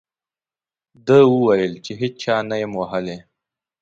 ده وویل چې هېچا نه یم ووهلی.